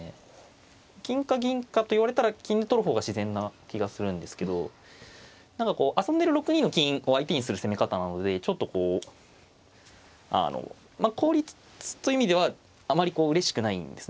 金か銀かと言われたら金で取る方が自然な気がするんですけど何かこう遊んでる６二の金を相手にする攻め方なのでちょっとこう効率という意味ではあまりうれしくないんですね。